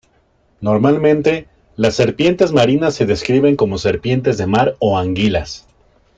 Normalmente, las serpientes marinas se describen como serpientes de mar o anguilas.